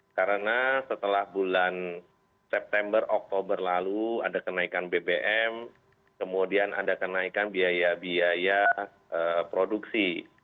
karena setelah bulan september oktobre lalu ada kenaikan bbm kemudian ada kenaikan biaya biaya produksi